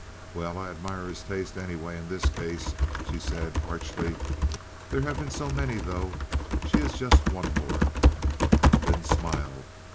"Well, I admire his taste, anyway, in this case," she said, archly. "There have been so many, though. She is just one more." Lynde smiled.